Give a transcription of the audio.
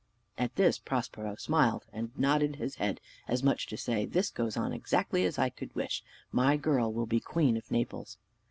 At this Prospero smiled, and nodded his head, as much as to say, "This goes on exactly as I could wish; my girl will be queen of Naples."